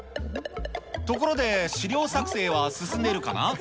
ところで資料作成は進んでいるかな？